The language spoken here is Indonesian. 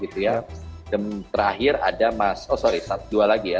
dan terakhir ada mas oh sorry dua lagi ya